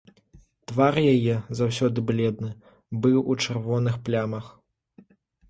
Твар яе, заўсёды бледны, быў у чырвоных плямах.